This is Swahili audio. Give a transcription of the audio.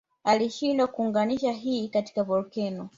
Alishindwa kuunganisha hii katika volkeno